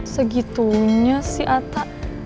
segitunya si ata